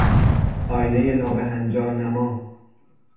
آینهی نابهنجار نما